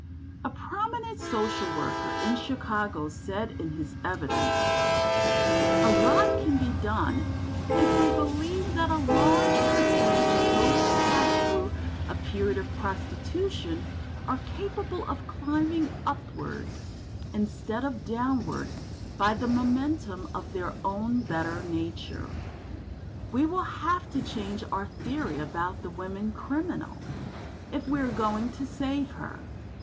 A prominent social worker in Chicago said in his evidence: "A lot can be done, if we believe that a very large percentage of those who pass through a period of prostitution are capable of climbing upward instead of downward by the momentum of their own better nature. We will have to change our theory about the woman criminal, if we are going to save her.